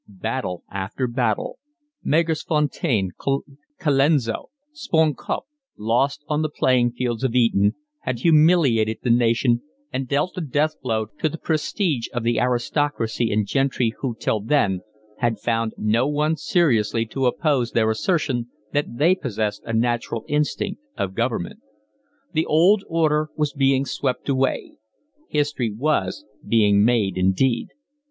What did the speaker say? Battle after battle, Magersfontein, Colenso, Spion Kop, lost on the playing fields of Eton, had humiliated the nation and dealt the death blow to the prestige of the aristocracy and gentry who till then had found no one seriously to oppose their assertion that they possessed a natural instinct of government. The old order was being swept away: history was being made indeed.